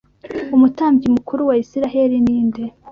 umutambyi mukuru wa Isirayeli ninde